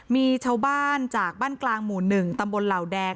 มีชาวบ้านจากบ้านกลางหมู่๑ตำบลเหล่าแดง